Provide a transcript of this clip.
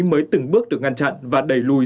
mới từng bước được ngăn chặn và đẩy lùi